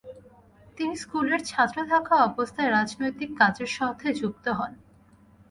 তিনি স্কুলের ছাত্র থাকা অবস্থায় রাজনৈতিক কাজের সাথে যুক্ত হন।